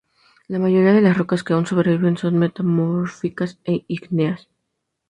La mayoría de las rocas que aún sobreviven son metamórficas e ígneas.